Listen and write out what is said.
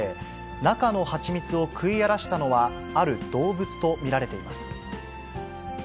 中の蜂蜜を食い荒らしたのは、ある動物と見られています。